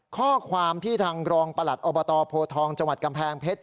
ข้อความที่ทางรองประหลัดอบตโพทองจังหวัดกำแพงเพชร